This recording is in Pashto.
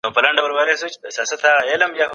د موسى جان او ګل مکۍ کیسه خورا جالبه وه.